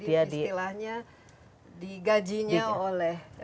jadi istilahnya digajinya oleh